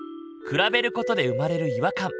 比べることで生まれる違和感。